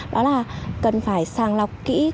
đó là cần phải sàng lọc kỹ